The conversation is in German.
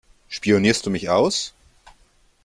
Spionierst du mich aus?